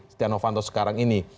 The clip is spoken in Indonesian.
setia novanto sekarang ini